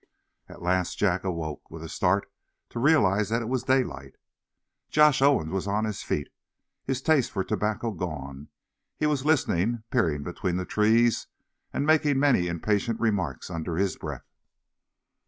At last Jack awoke, with a start, to realize that it was daylight. Josh Owen was on his feet, his taste for tobacco gone. He was listening, peering between the trees, and making many impatient remarks under his breath.